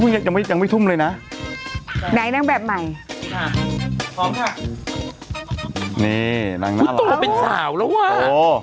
ยังไม่ทุ่มเลยนะไหนนั่งแบบใหม่พร้อมค่ะนี่นางน่ารักโตเป็นสาวแล้วว่ะ